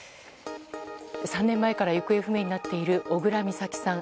３年前から行方不明になっている小倉美咲さん。